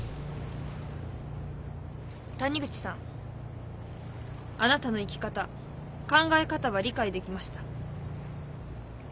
谷口さんあなたの生き方考え方は理解できました。